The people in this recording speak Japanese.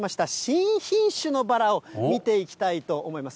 新品種のバラを見ていきたいと思います。